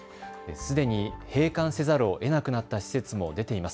すでに閉館せざるをえなくなった施設も出ています。